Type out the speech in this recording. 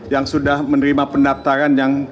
yang sudah menerima pendaftaran yang